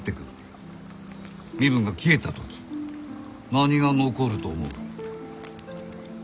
身分が消えた時何が残ると思う？